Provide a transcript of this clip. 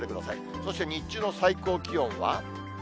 そして日中の最高気温は。